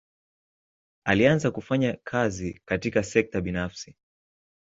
Alianza kufanya kazi katika sekta binafsi.